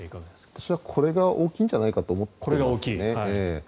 私はこれが大きいんじゃないかと思っていますね。